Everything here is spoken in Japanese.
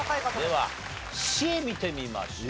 ではＣ見てみましょう。